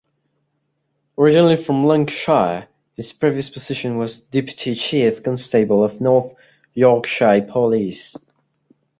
Originally from Lancashire, his previous position was Deputy Chief Constable of North Yorkshire Police.